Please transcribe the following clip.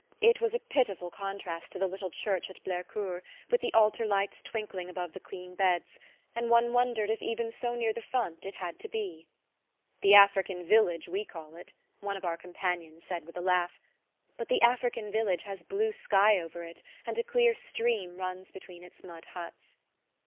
It was a pitiful contrast to the little church at Blercourt, with the altar lights twinkling above the clean beds; and one wondered if even so near the front, it had to be. "The African village, we call it," one of our companions said with a laugh: but the African village has blue sky over it, and a clear stream runs between its mud huts.